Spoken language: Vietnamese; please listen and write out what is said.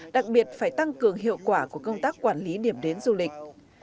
đặc biệt phải tăng cường hiệu quả của công tác quản lý điểm đến du lịch